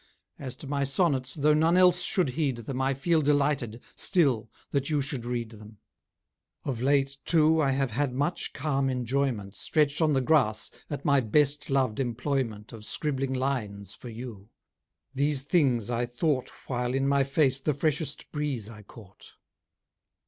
As to my sonnets, though none else should heed them, I feel delighted, still, that you should read them. Of late, too, I have had much calm enjoyment, Stretch'd on the grass at my best lov'd employment Of scribbling lines for you. These things I thought While, in my face, the freshest breeze I caught.